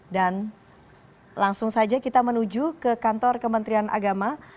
dan langsung saja kita menuju ke kantor kementerian agama